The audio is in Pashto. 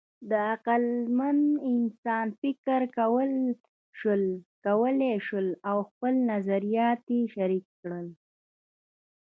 د عقلمن انسانان فکر کولی شول او خپل نظریات یې شریک کړل.